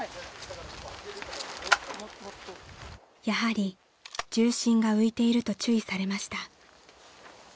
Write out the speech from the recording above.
［やはり重心が浮いていると注意されました］